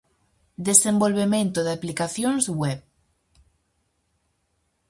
Desenvolvemento de aplicacións web.